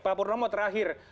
pak pur nomo terakhir